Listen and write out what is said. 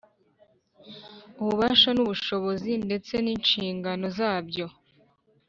Ububasha n,ubushobozi ndetse n,inshingano zabyo